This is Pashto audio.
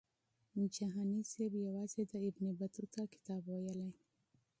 جهاني سیب صرف د ابن بطوطه کتاب ویلی.